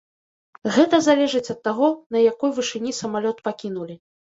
Гэта залежыць ад таго, на якой вышыні самалёт пакінулі.